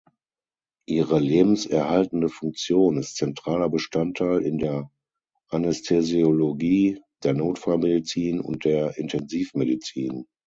Ihre lebenserhaltende Funktion ist zentraler Bestandteil in der Anästhesiologie, der Notfallmedizin und der Intensivmedizin.